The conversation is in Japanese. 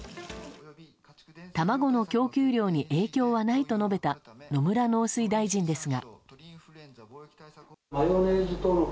卵の供給量に影響はないと述べた野村農水大臣ですが。